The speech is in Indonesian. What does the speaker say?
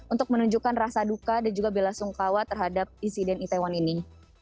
untuk menunjukkan rasa duka dan juga bela sungkawa terhadap insiden itaewon ini